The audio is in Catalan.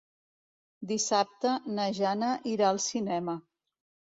Dissabte na Jana irà al cinema.